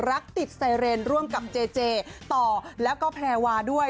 รักติดเสสเอนร่วมกับเจต่อแล้วก็แเพลวาด้วย